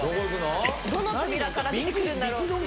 どの扉から出てくるんだろう。